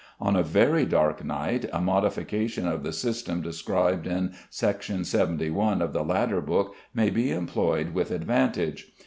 On a very dark night a modification of the system described in section 71 of the latter book may be employed with advantage.